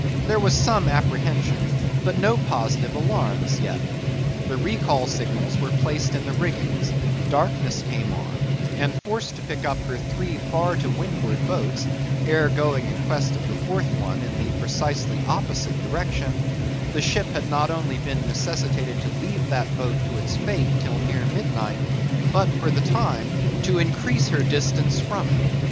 There was some apprehension, but no positive alarm, as yet. The recall signals were placed in the rigging; darkness came on; and forced to pick up her three far to windward boats—ere going in quest of the fourth one in the precisely opposite direction—the ship had not only been necessitated to leave that boat to its fate till near midnight, but, for the time, to increase her distance from it.